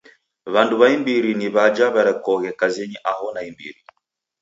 W'andu w'a imbiri ni w'aja w'erekoghe kazinyi aho naimbiri.